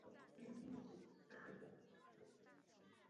北斗神拳的剧情约略可分为以下部分。